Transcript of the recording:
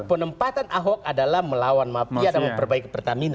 penempatan ahok adalah melawan mafia dan memperbaiki pertamina